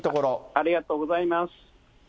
ありがとうございます。